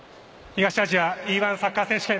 東アジアＥ‐１サッカー選手権